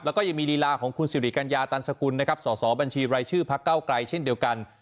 แล้วก็ยังมีลีลาของคุณสิริกัญญาตันสกุลนะครับสอสอบัญชีรายชื่อพักเก้าไกลเช่นเดียวกัน